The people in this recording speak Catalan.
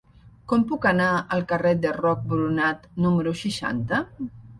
Com puc anar al carrer de Roc Boronat número seixanta?